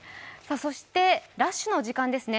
そしてラッシュの時間ですね。